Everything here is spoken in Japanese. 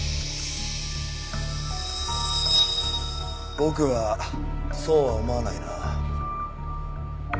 僕はそうは思わないな。